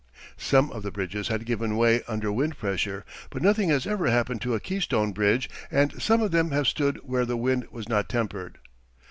Some of the bridges had given way under wind pressure but nothing has ever happened to a Keystone bridge, and some of them have stood where the wind was not tempered.